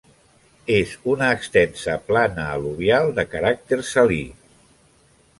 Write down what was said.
És una extensa plana al·luvial de caràcter salí.